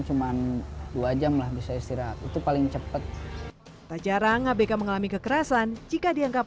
cuman dua jam lah bisa istirahat itu paling cepat tak jarang abk mengalami kekerasan jika dianggap